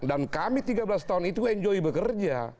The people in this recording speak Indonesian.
dan kami tiga belas tahun itu enjoy bekerja